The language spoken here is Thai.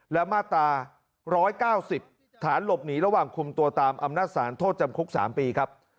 และมาตรา๑๙๐ฐานหลบหนีระหว่างคุมตัวตามอำนาจสารโทษจำคุก๓ปีครับ